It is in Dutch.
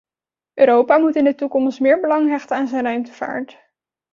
Europa moet in de toekomst meer belang hechten aan zijn ruimtevaart.